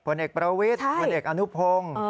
ผลเอกประวิทย์ผลเอกอนุพงศ์